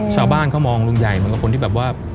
ชาวบ้านเขามองลุงใหญ่เหมือนกับคนที่แบบว่า